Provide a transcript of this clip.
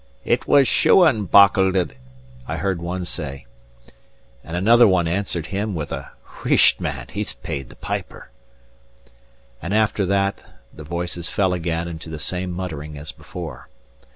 "It was Shuan bauchled* it," I heard one say. * Bungled. And another answered him with a "Wheesht, man! He's paid the piper." After that the voices fell again into the same muttering as before.